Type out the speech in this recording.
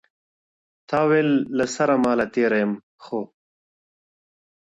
تا ويل له سره ماله تېره يم خو.